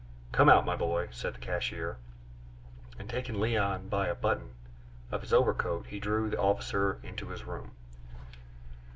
"Come out, my boy," said the cashier; and, taking Léon by a button of his overcoat, he drew the officer into his room.